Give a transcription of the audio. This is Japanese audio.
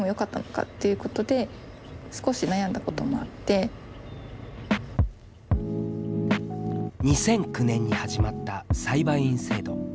最初の通知が２００９年に始まった裁判員制度。